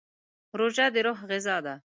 روژه د روح غذا ده.